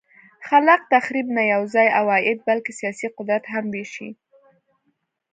خلاق تخریب نه یوازې عواید بلکه سیاسي قدرت هم وېشه.